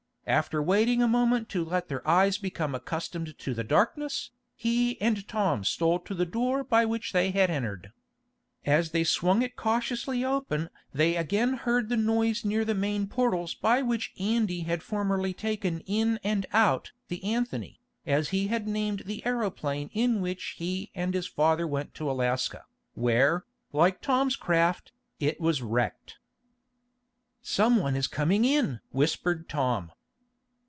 After waiting a moment to let their eyes become accustomed to the darkness, he and Tom stole to the door by which they had entered. As they swung it cautiously open they again heard the noise near the main portals by which Andy had formerly taken in and out the Anthony, as he had named the aeroplane in which he and his father went to Alaska, where, like Tom's craft, it was wrecked. "Some one is coming in!" whispered Tom.